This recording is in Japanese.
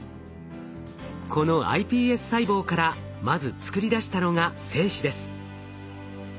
このｉＰＳ細胞からまず作り出したのが精子です。